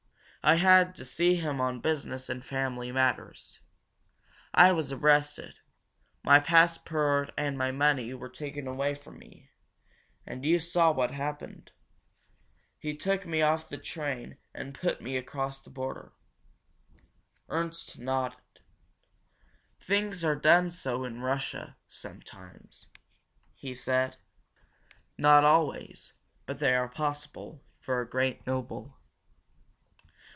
I had to see him on business and family matters. I was arrested. My passport and my money were taken away from me and you saw what happened. He took me off the train and put me across the border." Ernst nodded. "Things are done so in Russia sometimes," he said. "Not always, but they are possible, for a great noble.